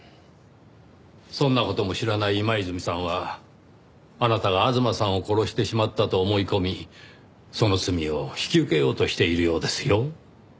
そんな事も知らない今泉さんはあなたが吾妻さんを殺してしまったと思い込みその罪を引き受けようとしているようですよ。